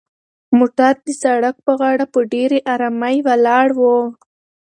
موټر د سړک په غاړه په ډېرې ارامۍ ولاړ و.